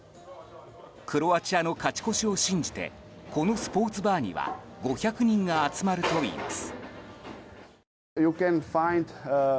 クロアチアの勝ち越しを信じてこのスポーツバーには５００人が集まるといいます。